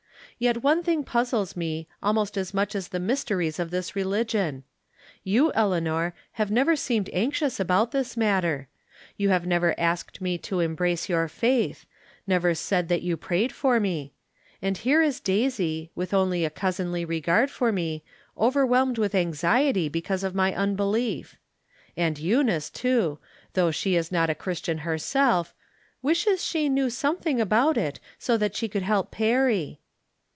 Yet one thing puzzles me almost as much as the mysteries of this religion. You, Eleanor, have never seemed anxious about this matter. You have never asked me to embrace your faith ; 70 From Different Standpoints, never said that you prayed for me. And here is Daisy, with only a cousinly regard for me, over whelmed with anxiety because of ray unbelief. And Eunice too, though she 'is not a Christian herself, " wishes she knew something about it so she could help Perry."